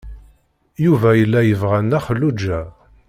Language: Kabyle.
Yuba yella yebɣa Nna Xelluǧa.